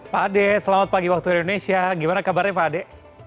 pak ade selamat pagi waktu indonesia gimana kabarnya pak ade